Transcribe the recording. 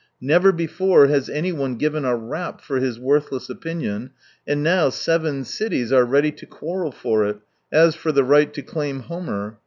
Never before has anyone given a rap for his worth less opinion, and now seven cities are ready to quarrel for it, as for the right to claim Homer.